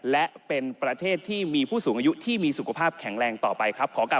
และเป็นประเทศที่มีผู้สูงอายุที่มีสุขภาพแข็งแรงต่อไปครับ